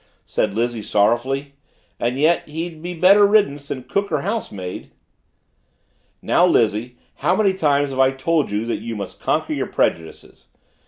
said Lizzie sorrowfully. "And yet he'd be better riddance than cook or housemaid." "Now, Lizzie, how many times have I told you that you must conquer your prejudices?